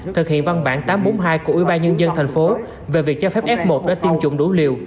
thực hiện văn bản tám trăm bốn mươi hai của ybnd tp hcm về việc cho phép f một đã tiêm chủng đủ liều